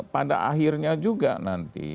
pada akhirnya juga nanti